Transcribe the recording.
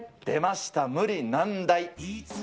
出ました、無理難題。